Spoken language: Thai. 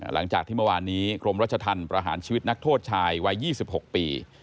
หลังจากที่เมื่อวานนี้กรมรัชธรรมประหารชีวิตนักโทษชายวัย๒๖ปี